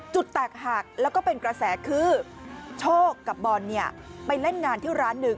แตกหักแล้วก็เป็นกระแสคือโชคกับบอลเนี่ยไปเล่นงานที่ร้านหนึ่ง